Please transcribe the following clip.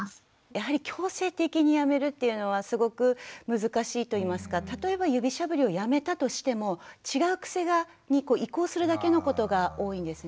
やはり強制的にやめるっていうのはすごく難しいといいますか例えば指しゃぶりをやめたとしても違う癖に移行するだけのことが多いんですね。